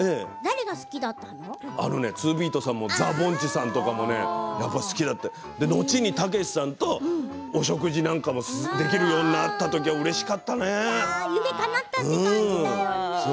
ツービートさんとかザ・ぼんちさんとか後に、たけしさんとお食事なんかもできるようになった時は、うれしかったね。